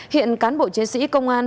hiện cán bộ chiến sĩ công an